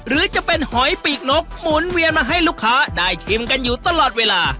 หรือจะเป็นหอยปีกนกหมุนเวียนมาให้ลูกค้าได้ชิมกันอยู่ตลอดเวลา